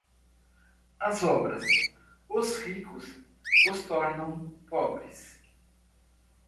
As obras, os ricos os tornam pobres.